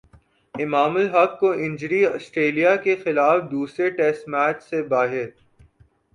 امام الحق کو injury Australia کے خلاف دوسرے ٹیسٹ میچ سے باہر